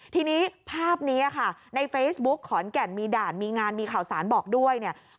ทีนี้ภาพนี้ค่ะในเฟซบุ๊กขอนแก่นมีด่านมีงานมีข่าวสารบอกด้วยเนี่ย